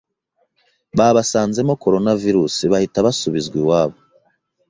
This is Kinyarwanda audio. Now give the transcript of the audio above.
babasanzemo coronavirus, bahita basubizwa iwabo.